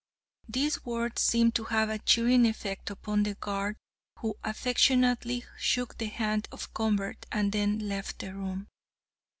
"These words seemed to have a cheering effect upon the guard, who affectionately shook the hand of Convert, and then left the room.